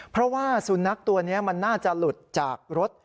เพราะว่าสุนัขตัวนี้มันน่าจะหลุดจากรถ